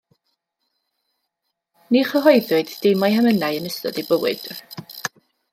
Ni chyhoeddwyd dim o'i hemynau yn ystod ei bywyd.